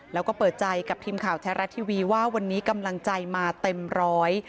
แล้วก็เปิดใจกับทีมข่าวแท้รัฐทีวีว่าวันนี้กำลังใจมาเต็มร้อย